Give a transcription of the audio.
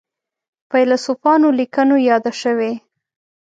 فیلسوفانو لیکنو یاده شوې.